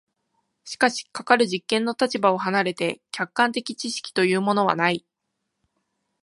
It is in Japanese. しかしかかる実験の立場を離れて客観的知識というものはない。